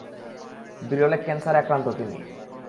বিরল এক ক্যানসারে আক্রান্ত তিনি।